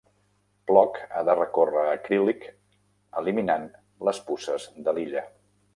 Plok ha de recórrer Akrillic eliminant les puces de l'illa.